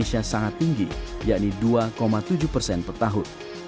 indonesia sangat tinggi yakni dua tujuh persen per tahun